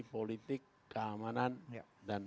politik keamanan dan